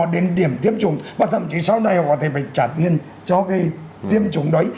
điểm tiêm chủ và thậm chí sau này họ có thể phải trả tiền cho cái tiêm chủ đó